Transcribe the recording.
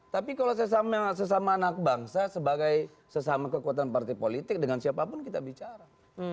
tapi kalau sesama anak bangsa sebagai sesama kekuatan partai politik dengan siapapun kita bicara